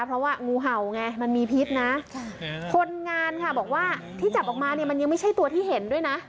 เพราะว่างูเห่าไงมันมีพิษนะคนงานค่ะบอกว่าที่จับออกมาเนี่ยมันยังไม่ใช่ตัวที่เห็นด้วยนะ